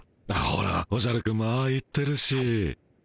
ほらおじゃるくんもああ言ってるし。